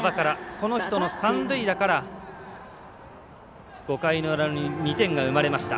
この人の三塁打から５回の裏に２点が生まれました。